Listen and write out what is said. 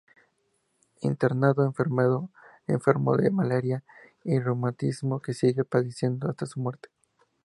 Internado, enfermó de malaria y reumatismo, que siguió padeciendo hasta su muerte.